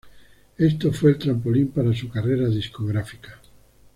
Esto fue el trampolín para su carrera discográfica.